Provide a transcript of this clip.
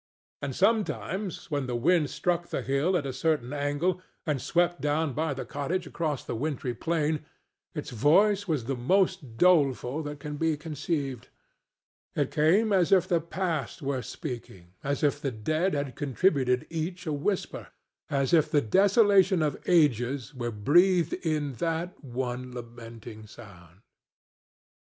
And sometimes, when the wind struck the hill at a certain angle and swept down by the cottage across the wintry plain, its voice was the most doleful that can be conceived; it came as if the past were speaking, as if the dead had contributed each a whisper, as if the desolation of ages were breathed in that one lamenting sound.